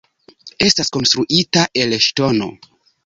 Estas konstruita el ŝtono.